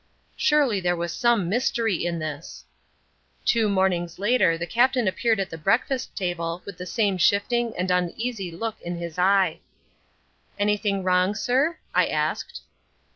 Surely there was some mystery in this. Two mornings later the Captain appeared at the breakfast table with the same shifting and uneasy look in his eye. "Anything wrong, sir?" I asked.